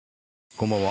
こんばんは。